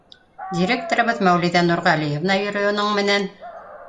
Директорыбыҙ Мәүлиҙә Нурғәлиевна йөрөй уның менән.